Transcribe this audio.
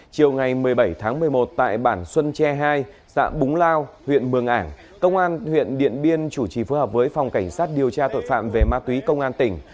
chiều ngày một mươi bảy tháng một mươi một tại bản xuân tre hai xã búng lao huyện mường ảng công an huyện điện biên chủ trì phối hợp với phòng cảnh sát điều tra tội phạm về ma túy công an tỉnh